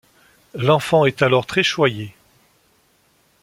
L’enfant est alors très choyée.